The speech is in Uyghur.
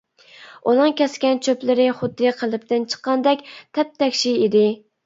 ئۇنىڭ كەسكەن چۆپلىرى خۇددى قېلىپتىن چىققاندەك تەپتەكشى ئىدى.